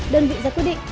đơn vị ra quyết định